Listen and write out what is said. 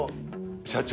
社長。